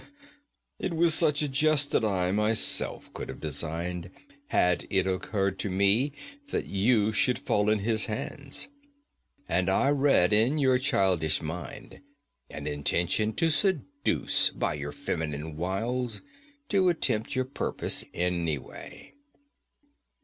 It was such a jest that I myself could have designed, had it occurred to me, that you should fall in his hands. And I read in your childish mind an intention to seduce by your feminine wiles to attempt your purpose, anyway.